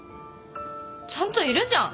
ちゃんといるじゃん